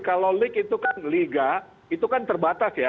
kalau league itu kan terbatas ya